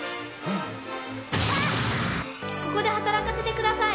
ここで働かせてください。